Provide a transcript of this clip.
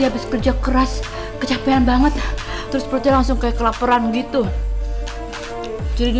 habis kerja keras kecapean banget terus perutnya langsung ke kelaparan gitu jadi